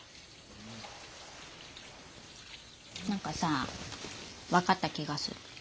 なんかさ分かった気がする。